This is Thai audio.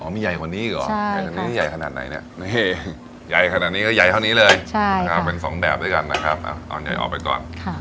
มีใหญ่กว่านี้อีกเหรอใหญ่ขนาดนี้ใหญ่ขนาดไหนเนี่ยใหญ่ขนาดนี้ก็ใหญ่เท่านี้เลยเป็นสองแบบด้วยกันนะครับเอาใหญ่ออกไปก่อน